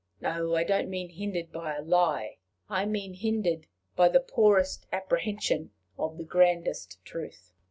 No; I do not mean hindered by a lie I mean hindered by the poorest apprehension of the grandest truth.